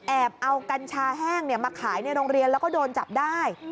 เอากัญชาแห้งมาขายในโรงเรียนแล้วก็โดนจับได้